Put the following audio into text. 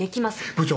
部長。